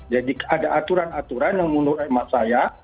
jadi ada aturan aturan yang menurut emak saya